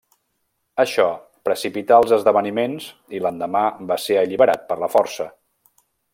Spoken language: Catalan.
Això precipità els esdeveniments i l'endemà va ser alliberat per la força.